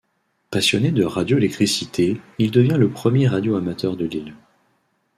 Passionné de radio-électricité, il devient le premier radio-amateur de l’Île.